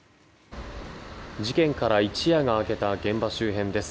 事件から一夜が明けた現場周辺です。